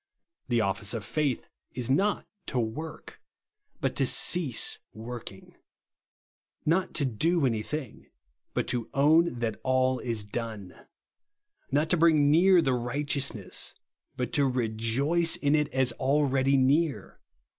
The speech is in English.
The office of faith is not to luorh, but to cease worhing ; not to do any thing, but to own that all is done; not to brmg near the righteousness, but to rejoice in it as already near.